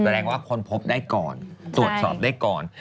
แสดงว่าคนพบได้ก่อนตรวจสอบได้ก่อน